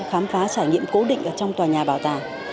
khám phá trải nghiệm cố định ở trong tòa nhà bảo tàng